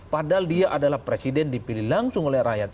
padahal dia adalah presiden dipilih langsung oleh rakyat